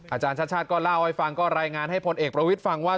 อาจารย์ชาติชาติก็เล่าให้ฟังก็รายงานให้พลเอกประวิทย์ฟังว่า